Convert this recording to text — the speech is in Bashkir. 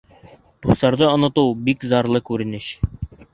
Дуҫтарҙы онотоу бик зарлы күренеш.